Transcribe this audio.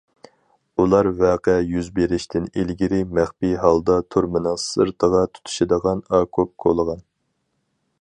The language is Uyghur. ئۇلار ۋەقە يۈز بېرىشتىن ئىلگىرى مەخپىي ھالدا تۈرمىنىڭ سىرتىغا تۇتىشىدىغان ئاكوپ كولىغان.